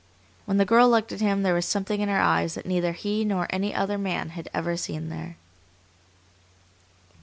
When the girl looked at him there was something in her eyes that neither he nor any other man had ever seen there.